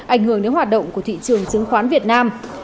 ảnh hưởng đến hoạt động của thị trường chứng khoán việt nam